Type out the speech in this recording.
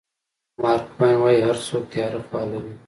مارک ټواین وایي هر څوک تیاره خوا لري.